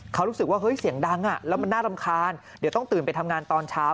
เขารู้สึกว่าเฮ้ยเสียงดังแล้วมันน่ารำคาญเดี๋ยวต้องตื่นไปทำงานตอนเช้า